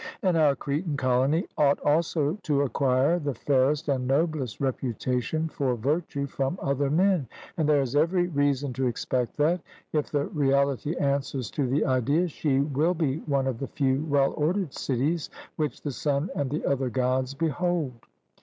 And our Cretan colony ought also to acquire the fairest and noblest reputation for virtue from other men; and there is every reason to expect that, if the reality answers to the idea, she will be one of the few well ordered cities which the sun and the other Gods behold.